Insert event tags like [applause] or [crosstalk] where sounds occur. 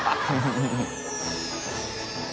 フフフ [laughs]